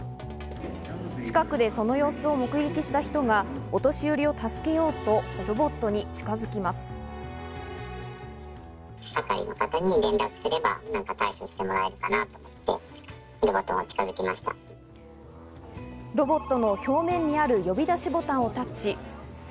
近くでその様子を目撃した人がお年寄りを助けようとロボットに近づきます。